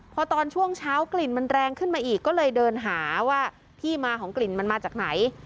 พอตอนช่วงเช้ากลิ่นมันแรงขึ้นมาอีกก็เลยเดินหาว่าที่มาของกลิ่นมันมาจากไหน